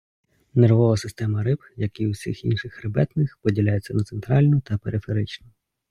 Нервова система риб, як і всіх інших хребетних, поділяється на центральну та периферичну.